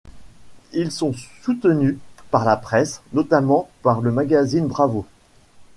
Ils sont soutenus par la presse, notamment par le magazine Bravo.